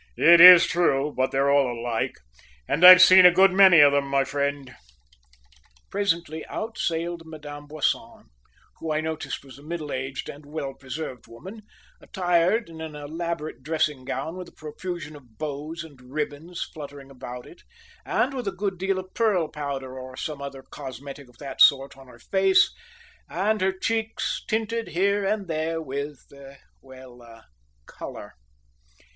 "It is true, but they're all alike, and I've seen a good many of them, my friend." Presently out sailed Madame Boisson, who I noticed was a middle aged and well preserved woman, attired in an elaborate dressing gown with a profusion of bows and ribbons fluttering about it, and with a good deal of pearl powder or some other cosmetic of that sort on her face, and her cheeks tinted here and there with well, colour.